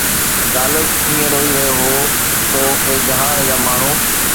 غالب ائين روئي رهيو هو! سو اي جهان جا ماڻهو